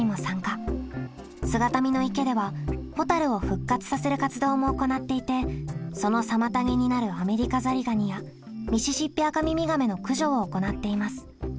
姿見の池ではホタルを復活させる活動も行っていてその妨げになるアメリカザリガニやミシシッピアカミミガメの駆除を行っています。